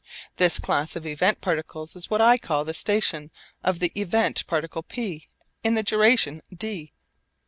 This class of event particles is what I call the 'station' of the event particle P in the duration d.